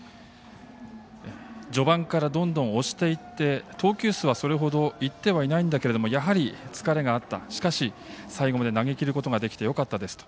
序盤からどんどん押していって投球数はそれほどいってはいないんだけどもやはり疲れがあったしかし最後まで投げきることができてよかったです。